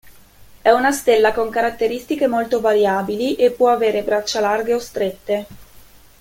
È una stella con caratteristiche molto variabili e può avere braccia larghe o strette.